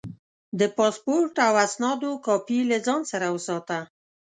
د پاسپورټ او اسنادو کاپي له ځان سره وساته.